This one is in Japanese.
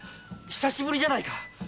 久しぶりじゃないか！